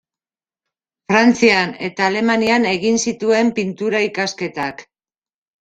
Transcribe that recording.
Frantzian eta Alemanian egin zituen Pintura ikasketak.